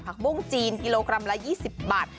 บุ้งจีนกิโลกรัมละ๒๐บาท